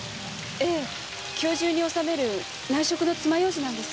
ええ今日中に納める内職の爪楊枝なんです。